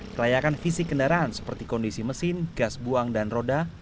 kelayakan visi kendaraan seperti kondisi mesin gas buang dan roda